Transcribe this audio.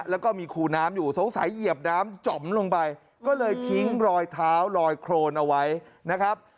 แล้วก็มีคูน้ำอยู่สงสัยเหยียบน้ำจ่อมลงไปก็เลยทิ้งรอยเท้าลอยโครนเอาไว้นะครับ